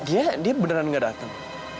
dia beneran gak datang